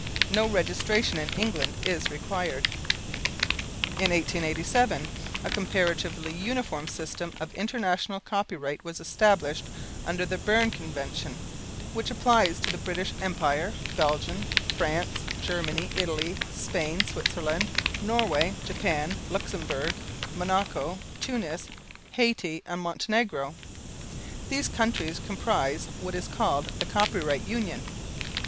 No registration in England is required. In 1887, a comparatively uniform system of International Copyright was established under the Berne Convention, which applies to the British Empire, Belgium, France, Germany, Italy, Spain, Switzerland, Norway, Japan, Luxembourg, Monaco, Tunis, Hayti and Montenegro. These countries comprise what is called, "The Copyright Union."